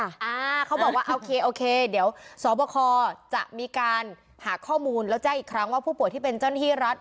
อ่าเขาบอกว่าโอเคโอเคเดี๋ยวสบคจะมีการหาข้อมูลแล้วแจ้งอีกครั้งว่าผู้ป่วยที่เป็นเจ้าหน้าที่รัฐ